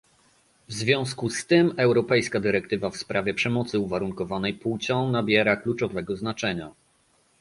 W związku z tym europejska dyrektywa w sprawie przemocy uwarunkowanej płcią nabiera kluczowego znaczenia